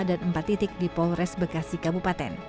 dan empat titik di polres bekasi kabupaten